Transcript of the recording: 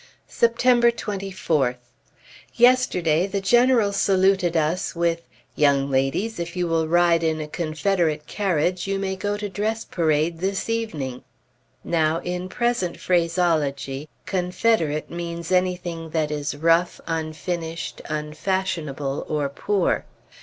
September 24th. Yesterday the General saluted us with "Young ladies, if you will ride in a Confederate carriage, you may go to dress parade this evening." Now, in present phraseology, "Confederate" means anything that is rough, unfinished, unfashionable, or poor.